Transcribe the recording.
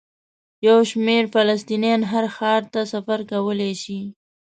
یو شمېر فلسطینیان هر ښار ته سفر کولی شي.